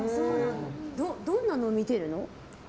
どんなの見てるの？